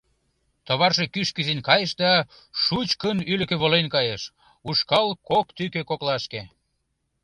Товарже кӱш кӱзен кайыш да шучкын ӱлыкӧ волен кайыш, ушкал кок тӱкӧ коклашке.